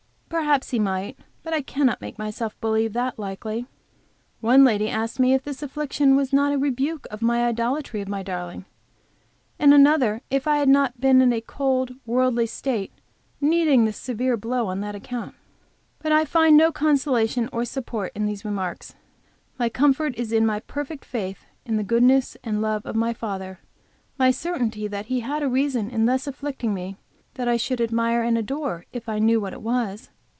Perhaps he might, but I cannot make myself believe that likely. One lady asked me if this affliction was not a rebuke of my idolatry of my darling; and another, if I had not been in a cold, worldly state, needing this severe blow on that account. But I find no consolation or support in the remarks. My comfort is in my perfect faith in the goodness and love of my Father, my certainty that He had a reason in thus afflicting me that I should admire and adore if I knew what it was.